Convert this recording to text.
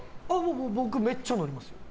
僕、めっちゃ乗ります。